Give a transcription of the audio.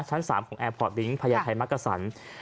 ชั้น๓ของแอร์พอร์ตลิงค์พญาไทยมักกษัน